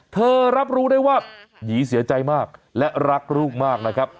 รับรู้ได้ว่าหยีเสียใจมากและรักลูกมากนะครับ